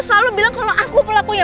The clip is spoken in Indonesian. selalu bilang kalau aku pelakunya